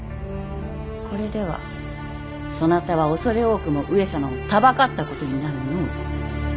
これではそなたは恐れ多くも上様をたばかったことになるの。